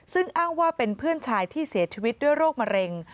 ซึ่งอ้างว่าเป็นเพื่อนชายที่เสียชีวิตด้วยโรคมะเร็ง